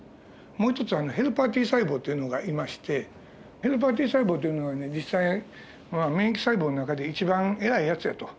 もう一つはヘルパーＴ細胞っていうのがいましてヘルパーＴ細胞というのはね実際免疫細胞の中で一番偉いやつやと。